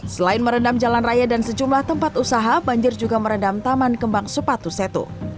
selain merendam jalan raya dan sejumlah tempat usaha banjir juga merendam taman kembang sepatu setu